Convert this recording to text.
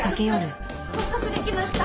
合格できました。